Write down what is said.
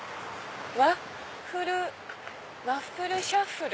ワッフル。